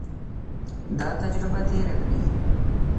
دا تجربه تېره کړي.